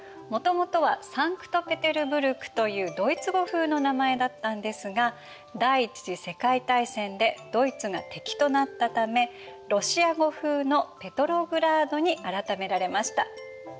もともとはサンクト・ペテルブルクというドイツ語風の名前だったんですが第一次世界大戦でドイツが敵となったためロシア語風のペトログラードに改められました。